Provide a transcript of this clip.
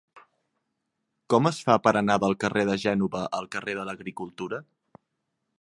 Com es fa per anar del carrer de Gènova al carrer de l'Agricultura?